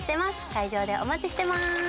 会場でお待ちしてます